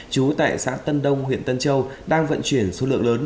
chú tại xã tân đông huyện tân châu đang vận chuyển số lượng lớn